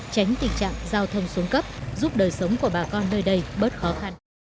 tránh tình trạng giao thông xuống cấp giúp đời sống của bà con nơi đây bớt khó khăn